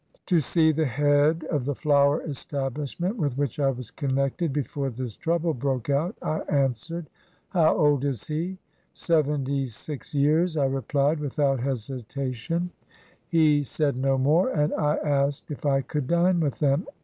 "To see the head of the flower establishment with which I was connected before this trouble broke out," I answered. "How old is he?" "Seventy six years," I replied, without hesitation. He said no more, and I asked if I could dine with them.